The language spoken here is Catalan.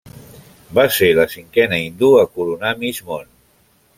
Va ser la cinquena Hindú a coronar Miss Món.